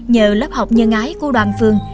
nhờ lớp học nhân ái của đoàn phường